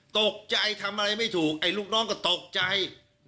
ตกใจทำอะไรไม่ถูกไอ้ลูกน้องก็ตกใจ